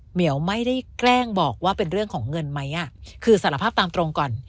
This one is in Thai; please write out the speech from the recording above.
เหี่ยวไม่ได้แกล้งบอกว่าเป็นเรื่องของเงินไหมอ่ะคือสารภาพตามตรงก่อน